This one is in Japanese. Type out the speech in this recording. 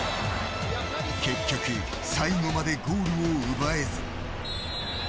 結局最後までゴールを奪えず。